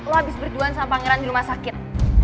lo habis berduaan sama pangeran di rumah sakit